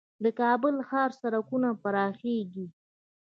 د کابل ښار سړکونه پراخیږي؟